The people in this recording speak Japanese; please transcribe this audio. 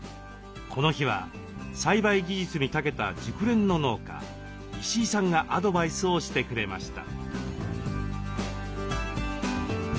この日は栽培技術にたけた熟練の農家石井さんがアドバイスをしてくれました。